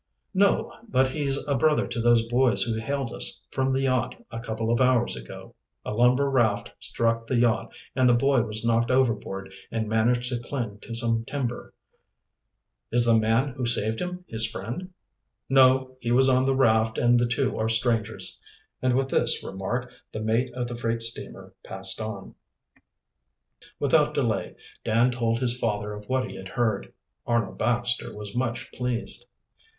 "No, but he's a brother to those boys who hailed us from the yacht a couple of hours ago. A lumber raft struck the yacht and the boy was knocked overboard and managed to cling to some timber." "Is the man who was saved his friend?" "No, he was on the raft and the two are strangers;" and with this remark the mate of the freight steamer passed on. Without delay Dan told his father of what he had heard. Arnold Baxter was much pleased.